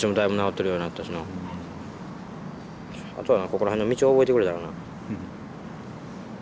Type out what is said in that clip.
あとはここら辺の道を覚えてくれたらな。